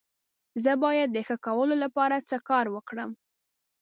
زه باید د ښه کولو لپاره څه کار وکړم؟